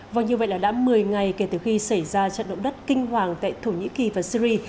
vâng như vậy là đã một mươi ngày kể từ khi xảy ra trận động đất kinh hoàng tại thổ nhĩ kỳ và syri